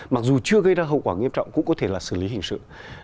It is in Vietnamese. mặc dù chưa gây ra hậu quả nghiêm trọng cũng có thể là xử lý hình sự